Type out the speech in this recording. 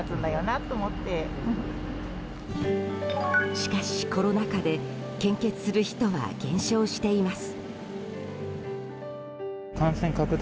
しかし、コロナ禍で献血する人は減少しています。